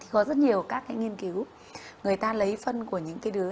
có rất nhiều các nghiên cứu người ta lấy phân của những đứa